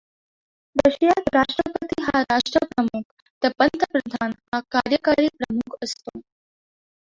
रशियात राष्ट्रपती हा राष्ट्रप्रमुख, तर पंतप्रधान हा कार्यकारी प्रमुख असतो.